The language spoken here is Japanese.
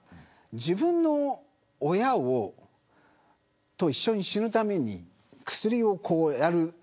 自分の親と一緒に死ぬために薬を飲む。